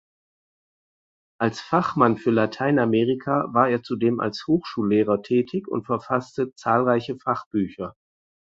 Als Fachmann für Lateinamerika war er zudem als Hochschullehrer tätig und verfasste zahlreiche Fachbücher.